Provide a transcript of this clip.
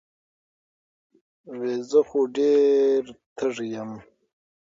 وې زۀ خو ډېر تږے يم